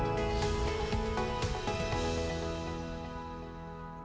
kita takutkan sekarang ada keadaan yang lebih baik